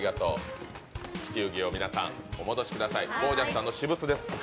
地球儀を皆さんお戻しください、ゴー☆ジャスさんの私物です。